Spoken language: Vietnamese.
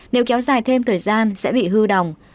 nếu kéo dài thêm thời gian sẽ bị hư đồng